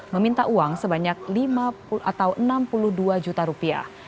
meminta uang sebanyak rp enam puluh dua juta